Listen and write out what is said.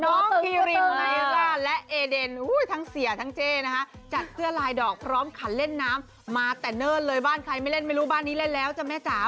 พี่รินไนร่าและเอเดนทั้งเสียทั้งเจ๊นะคะจัดเสื้อลายดอกพร้อมขันเล่นน้ำมาแต่เนิ่นเลยบ้านใครไม่เล่นไม่รู้บ้านนี้เล่นแล้วจ้ะแม่จ๋า